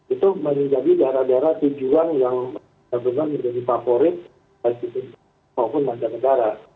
itu menjadi daerah daerah tujuan yang benar benar menjadi favorit dari situ maupun masyarakat negara